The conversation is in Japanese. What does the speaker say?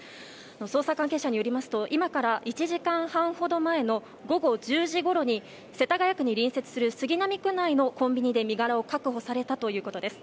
捜査関係者によりますと今から１時間半ほど前の午後１０時ごろに世田谷区に隣接する杉並区内のコンビニで身柄を確保されたということです。